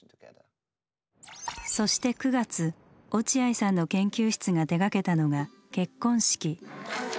そして９月落合さんの研究室が手がけたのが「結婚式」。